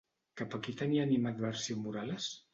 Cap a qui tenia animadversió Morales?